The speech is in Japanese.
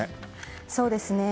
そうですね。